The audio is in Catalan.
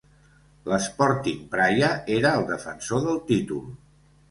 L'Sporting Praia era el defensor del títol.